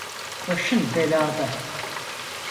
Başın belada.